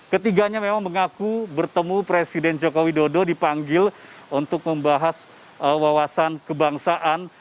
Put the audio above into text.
ketiganya memang mengaku bertemu presiden joko widodo dipanggil untuk membahas wawasan kebangsaan